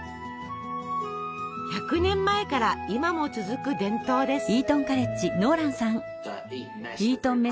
１００年前から今も続く伝統です。